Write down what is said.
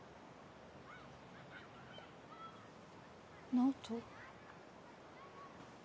直人？